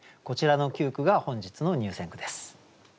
こちらの９句が本日の入選句です。